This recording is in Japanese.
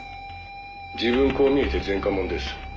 「自分こう見えて前科者です」